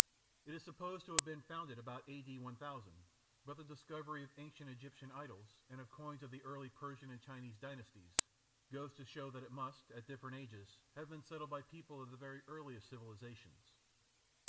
It is supposed to have been founded about A.D. 1000, but the discovery of ancient Egyptian idols, and of coins of the early Persian and Chinese dynasties, goes to show that it must at different ages have been settled by people of the very earliest civilisations.